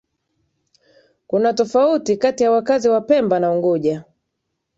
Kuna tofauti kati ya wakazi wa Pemba na Unguja